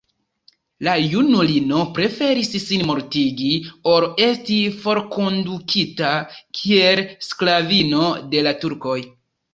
La junulino preferis sin mortigi ol esti forkondukita kiel sklavino de la turkoj.